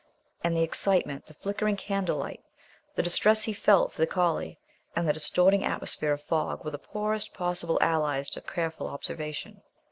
And the excitement, the flickering candlelight, the distress he felt for the collie, and the distorting atmosphere of fog were the poorest possible allies to careful observation.